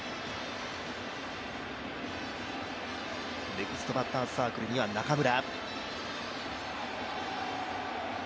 ネクストバッターズサークルには中村。